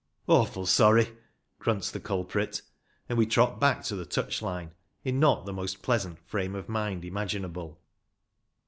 "Awful sorry," grunts the culprit, and we trot back to the touch line in not the most pleasant frame of mind imaginable.